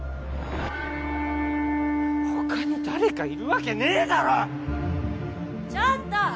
他に誰かいるわけねえだろっちょっと！